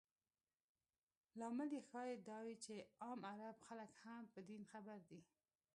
لامل یې ښایي دا وي چې عام عرب خلک هم په دین خبر دي.